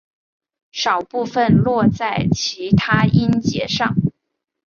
少部分落在其它音节上。